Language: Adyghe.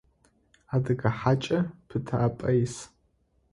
Адыгэ хьакӏэ пытапӏэ ис.